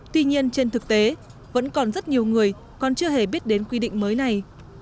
tuy nhiên trên thực tế vẫn còn rất nhiều người còn chưa hề biết đến quy định mới này